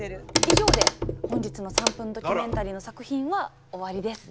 以上で本日の「３分ドキュメンタリー」の作品は終わりです。